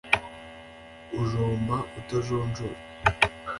ujomba utajonjora